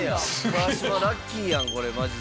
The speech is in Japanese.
川島ラッキーやんこれマジで。